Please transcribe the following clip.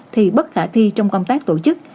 thì bất khả thi trong công tác tổ chức